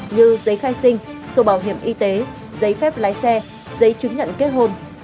như giấy khai sinh sổ bảo hiểm y tế giấy phép lái xe giấy chứng nhận kết hôn